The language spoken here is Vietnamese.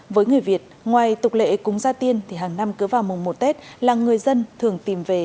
với người việt ngoài tục lệ cúng gia tiên thì hàng năm cứ vào mùng một tết là người dân thường tìm về